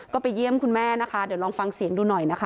ก็ไปเยี่ยมคุณแม่นะคะเดี๋ยวลองฟังเสียงดูหน่อยนะคะ